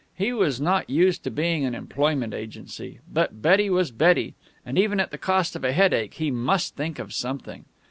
He was not used to being an employment agency. But Betty was Betty, and even at the cost of a headache he must think of something.